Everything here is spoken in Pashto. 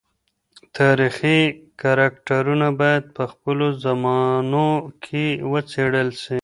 تاریخي کرکټرونه باید په خپلو زمانو کي وڅېړل سي.